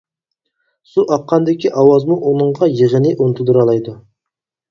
سۇ ئاققاندىكى ئاۋازمۇ ئۇنىڭغا يىغىنى ئۇنتۇلدۇرالايدۇ.